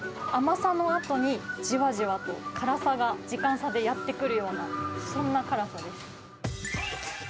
甘さのあとにじわじわと辛さが時間差でやって来るような、そんな辛さです。